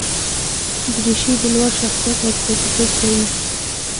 دریشي د لوړ شخصیت استازیتوب کوي.